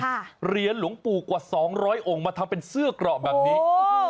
เหรียญหลวงปู่กว่าสองร้อยองค์มาทำเป็นเสื้อเกราะแบบนี้